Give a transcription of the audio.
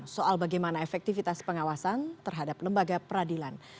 soal bagaimana efektivitas pengawasan terhadap lembaga peradilan